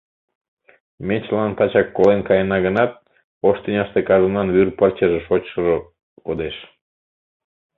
Ме чылан тачак колен каена гынат, ош тӱняште кажнынан вӱр пырчыже, шочшыжо кодеш.